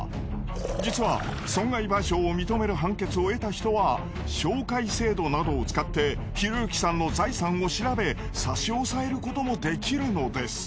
実は損害賠償を認める判決を得た人は照会制度などを使ってひろゆきさんの財産を調べ差し押さえることも出来るのです。